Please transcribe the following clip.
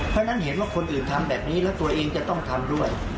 เพราะฉะนั้นเห็นว่าคนอื่นทำแบบนี้แล้วตัวเองจะต้องทำด้วย